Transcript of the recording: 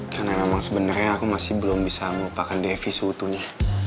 karena memang sebenernya aku masih belum bisa melupakan devi seutuhnya